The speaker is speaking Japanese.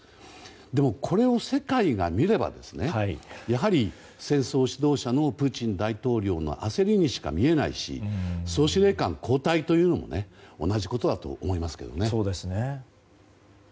でも、これを世界が見ればやはり、戦争指導者のプーチン大統領の焦りにしか見えないし総司令官交代というのも同じことだと思いますけどね。